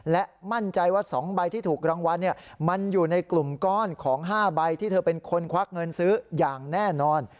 และมั่นใจว่า๒ใบที่ถูกรางวัลมันอยู่ในกลุ่มก้อนของ๕ใบที่เธอเป็นคนควักเงินซื้ออย่างแน่นอน